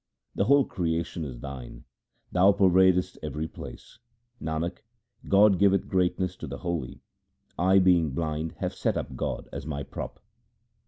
The whole creation is Thine, Thou pervadest every place. Nanak, God giveth greatness to the holy. I being blind have set up God as my prop.